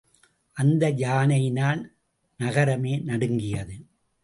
அந்த யானையினால் நகரமே நடுங்கியது.